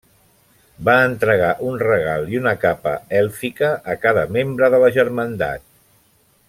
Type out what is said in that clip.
Va entregar un regal i una capa èlfica a cada membre de la germandat.